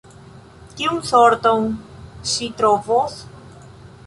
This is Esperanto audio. Kiun sorton ŝi trovos?